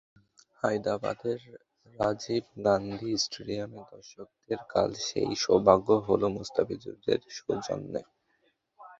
হায়দরাবাদের রাজীব গান্ধী স্টেডিয়ামের দর্শকদের কাল সেই সৌভাগ্য হলো মুস্তাফিজের সৌজন্যে।